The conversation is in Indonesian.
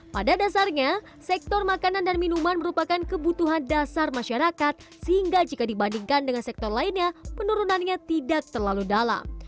pada dasarnya sektor makanan dan minuman merupakan kebutuhan dasar masyarakat sehingga jika dibandingkan dengan sektor lainnya penurunannya tidak terlalu dalam